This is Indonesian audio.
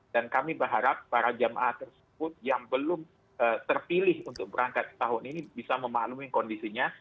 dan kami berharap para jemaah tersebut yang belum terpilih untuk berangkat tahun ini bisa memaklumi kondisinya